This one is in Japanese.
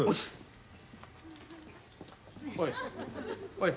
おい。